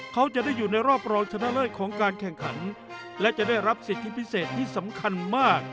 เขาจะได้อยู่ในรอบรองชนะเลิศของการแข่งขันและจะได้รับสิทธิพิเศษที่สำคัญมาก